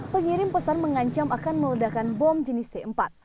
pengirim pesan mengancam akan meledakan bom jenis c empat